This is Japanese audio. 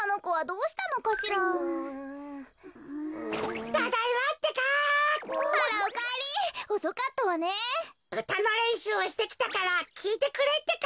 うたのれんしゅうをしてきたからきいてくれってか。